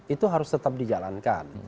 itu harus tetap dijalankan